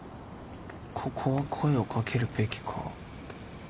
ここは声をかけるべきか